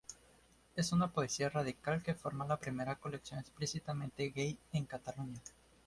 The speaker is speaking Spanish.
Es una poesía radical, que forma la primera colección explícitamente gay publicada en Cataluña.